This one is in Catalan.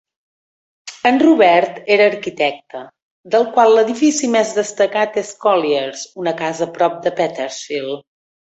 En Robert era arquitecte, del qual l'edifici més destacat és Collyers, una casa prop de Petersfield.